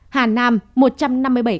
hà nam một trăm năm mươi bảy ca